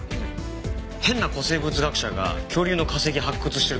変な古生物学者が恐竜の化石発掘してるところです。